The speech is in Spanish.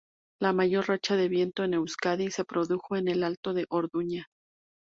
La mayor racha de viento en Euskadi se produjo en el alto de Orduña.